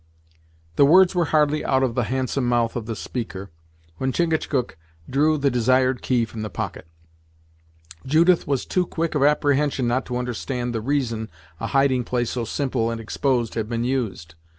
The words were hardly out of the handsome mouth of the speaker, when Chingachgook drew the desired key from the pocket. Judith was too quick of apprehension not to understand the reason a hiding place so simple and exposed had been used.